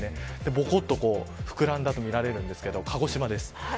ぽこっと膨らんだとみられるんですけど鹿児島です。